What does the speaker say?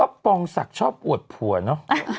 ปองศักดิ์ชอบอวดผัวเนอะ